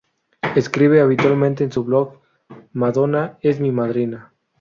Escribe habitualmente en su blog "Madonna es mi madrina".